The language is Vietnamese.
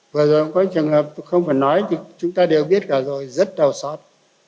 vừa rồi có trường hợp không phải nói thì chúng ta đều biết cả rồi rất đau xót